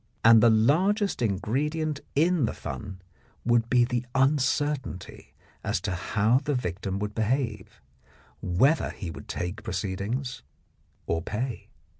And the largest ingredient in the fun would be the uncertainty as to how the victim would behave, whether he would take proceedings or pay.